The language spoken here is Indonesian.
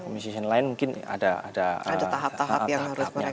musician lain mungkin ada tahap tahap yang harus mereka lewati